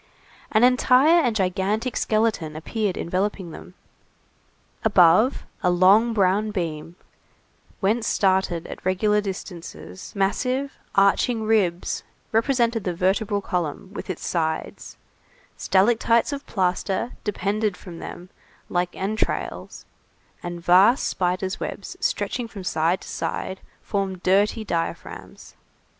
An entire and gigantic skeleton appeared enveloping them. Above, a long brown beam, whence started at regular distances, massive, arching ribs, represented the vertebral column with its sides, stalactites of plaster depended from them like entrails, and vast spiders' webs stretching from side to side, formed dirty diaphragms.